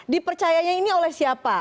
dipercayanya ini oleh siapa